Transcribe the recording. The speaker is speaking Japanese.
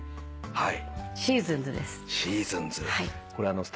はい。